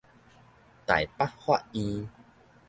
臺北法院